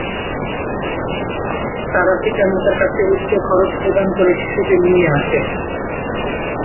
তারা পিতামাতার কাছে উচ্চ খরচ প্রদান করে শিশুদের নিয়ে আসে।